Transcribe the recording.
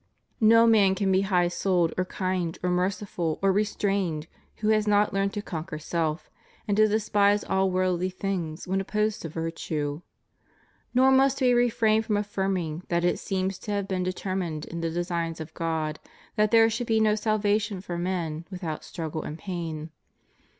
No man can be high souled, or kind, or merciful, or restrained who has not learned to conquer self, and to despise all worldly things when opposed to virtue. Nor must We refrain from affirming that it seems to have been determined in the designs of God that there should be no salvation for men without struggle and pain.